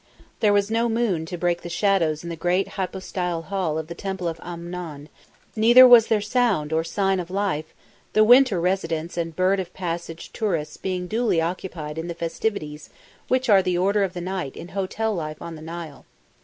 There was no moon to break the shadows in the Great Hypostyle Hall of the Temple of Amnon; neither was there sound or sign of life, the winter residents and bird of passage tourists being duly occupied in the festivities which are the order of the night in hotel life on the Nile.